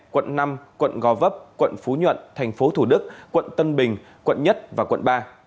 quận năm quận gò vấp quận phú nhuận tp thủ đức quận tân bình quận một và quận ba